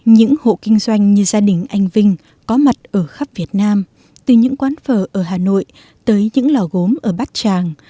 những hộ kinh doanh như gia đình anh vinh có mặt ở khắp việt nam từ những quán phở ở hà nội tới những lò gốm ở bát tràng